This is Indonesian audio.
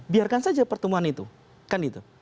biarkan saja pertemuan itu